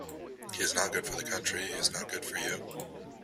He is not good for the country, he is not good for you.'